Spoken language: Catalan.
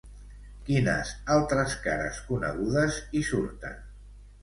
Quines altres cares conegudes hi surten?